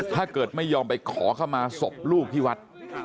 ถ้าเกิดไม่ยอมไปขอเข้ามาศพลูกที่วัด